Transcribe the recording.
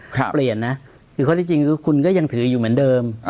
เปลี่ยนนะคือข้อที่จริงคือคุณก็ยังถืออยู่เหมือนเดิม